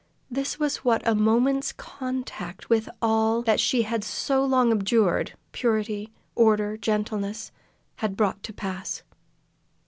This was what a moment's contact with all that she had so long abjured purity, order, gentleness had brought to pass.